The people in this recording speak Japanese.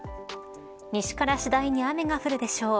西から次第に雨が降るでしょう。